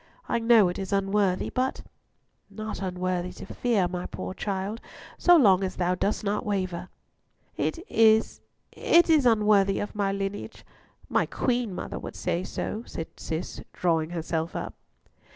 I know it is unworthy, but—" "Not unworthy to fear, my poor child, so long as thou dost not waver." "It is, it is unworthy of my lineage. My mother queen would say so," cried Cis, drawing herself up.